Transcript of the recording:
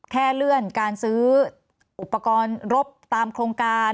แค่เลื่อนการซื้ออุปกรณ์รบตามโครงการ